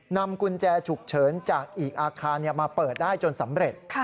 นำกุญแจฉุกเฉินจากอีกอาคารมาเปิดได้จนสำเร็จ